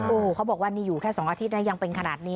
โอ้พอบอกวันนี้อยู่แค่๒อาทิตย์ยังเป็นขนาดนี้